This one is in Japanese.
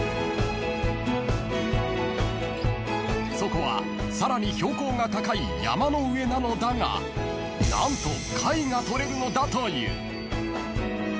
［そこはさらに標高が高い山の上なのだが何と貝が採れるのだという］